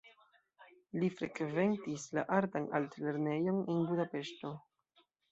Li frekventis la artan altlernejon en Budapeŝto.